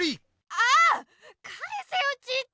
あっかえせよチッチ！